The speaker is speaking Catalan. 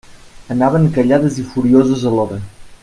Anaven callades i furioses alhora.